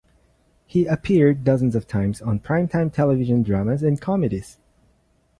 He appeared dozens of times on prime-time television dramas and comedies.